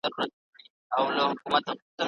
له خپل ځان سره حساب وکړئ.